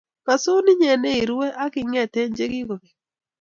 Kasu inye ne irue , ak ing'eet eng' che kigobek.